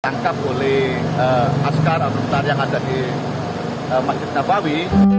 tangkap oleh askar abdur yang ada di masjid nabawi